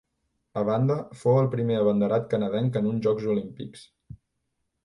A banda, fou el primer abanderat canadenc en uns Jocs Olímpics.